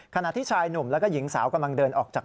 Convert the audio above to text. ขณะที่ชายหนุ่มแล้วก็หญิงสาวกำลังเดินออกจาก